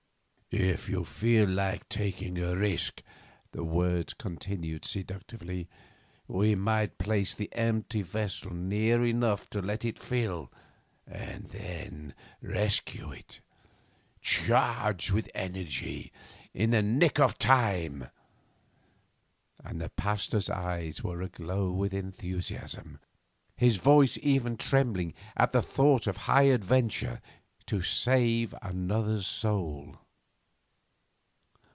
' if you felt like taking the risk,' the words continued seductively, 'we might place the empty vessel near enough to let it fill, then rescue it, charged with energy, in the nick of time.' And the Pasteur's eyes were aglow with enthusiasm, his voice even trembling at the thought of high adventure to save another's soul.